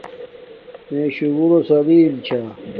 مݺ شُگُلݸ سلݵم چھݳ.